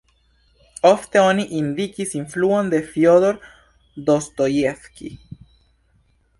Ofte oni indikis influon de Fjodor Dostojevskij.